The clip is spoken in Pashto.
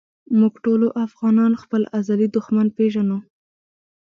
مونږ ټولو افغانان خپل ازلي دښمن پېژنو